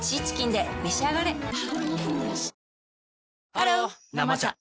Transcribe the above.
ハロー「生茶」